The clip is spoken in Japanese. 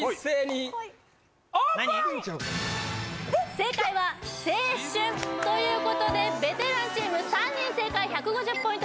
正解は「青春」ということでベテランチーム３人正解１５０ポイント